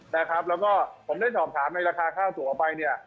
แล้วก็ผมได้ถอบถามเลยราคาค่าตั๋วไปเนี่ย